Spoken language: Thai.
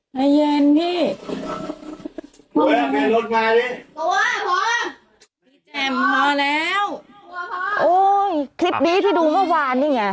พอแล้วโอ้ยคลิปนี้ที่ดูเมื่อวานนี่ไง